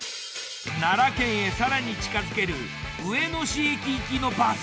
奈良県へ更に近づける上野市駅行きのバス。